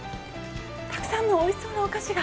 たくさんのおいしそうなお菓子が。